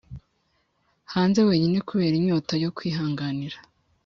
hanze wenyine, kubera inyota yo kwihanganira,